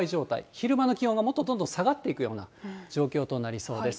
昼間の気温がもっとどんどん下がっていくような状況となりそうです。